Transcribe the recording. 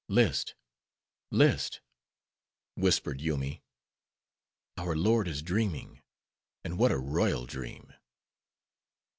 "List, list," whispered Yoomy—"our lord is dreaming; and what a royal dream."